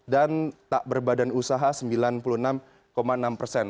dan tak berbadan usaha sembilan puluh enam enam persen